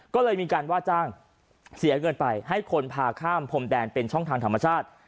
ก็เลยมีการว่าจ้างเสียเงินไปให้คนพาข้ามพรมแดนเป็นช่องทางธรรมชาติ